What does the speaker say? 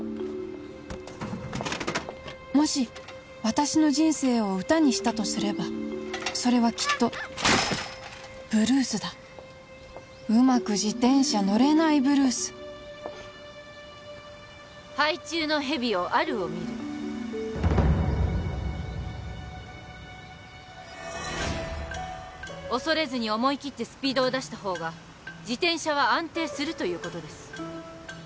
もし私の人生を歌にしたとすればそれはきっとブルースだうまく自転車乗れないブルース杯中の蛇を有るを見る恐れずに思い切ってスピードを出したほうが自転車は安定するということです